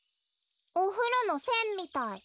おふろのせんみたい。